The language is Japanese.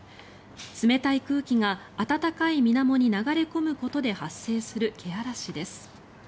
冷たい空気が暖かいみなもに流れ込むことで発生するけあらしです。